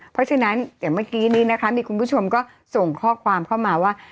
เพราะฉะนั้นอย่างเมื่อกี้นี้นะคะมีคุณผู้ชมก็ส่งข้อความเข้ามาว่า